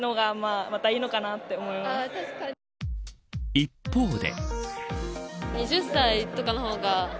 一方で。